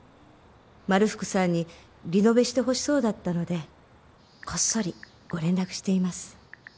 まるふくさんにリノベしてほしそうだったのでこっそりご連絡しています。